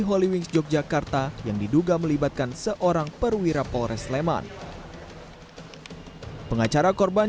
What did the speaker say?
hollywings yogyakarta yang diduga melibatkan seorang perwira polres leman pengacara korban